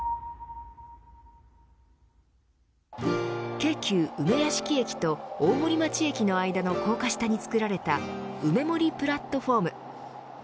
京急梅屋敷駅と大森町駅の間の高架下につくられた梅森プラットフォーム。